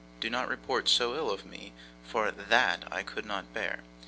Do not report so ill of me, for THAT I could not bear.